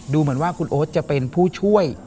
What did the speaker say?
เหมือนว่าคุณโอ๊ตจะเป็นผู้ช่วย